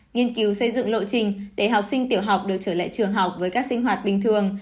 nghiên cứu xây dựng lộ trình để học sinh tiểu học được trở lại trường học với các sinh hoạt bình thường